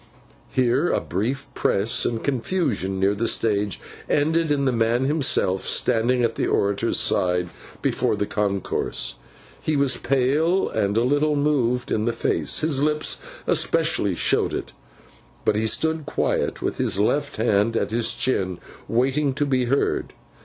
Here, a brief press and confusion near the stage, ended in the man himself standing at the orator's side before the concourse. He was pale and a little moved in the face—his lips especially showed it; but he stood quiet, with his left hand at his chin, waiting to be heard.